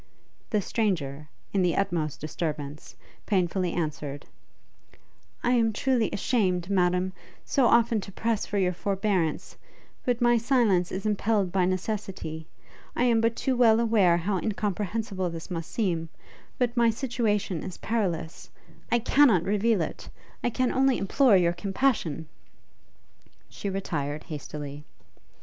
The stranger, in the utmost disturbance, painfully answered, 'I am truly ashamed, Madam, so often to press for your forbearance, but my silence is impelled by necessity! I am but too well aware how incomprehensible this must seem, but my situation is perilous I cannot reveal it! I can only implore your compassion! ' She retired hastily.